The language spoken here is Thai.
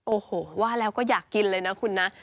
โอ้โหว่าแล้วก็อยากกินเลยนะคุณนะ